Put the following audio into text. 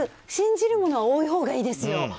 信じる者は多いほうがいいですよ。